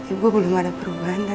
ibu belum ada perubahan